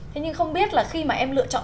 thế nhưng không biết là khi mà em lựa chọn